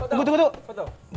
eh eh tunggu tunggu tunggu